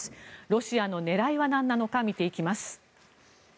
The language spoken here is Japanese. ロシアの狙いはなんなのか見ていきます。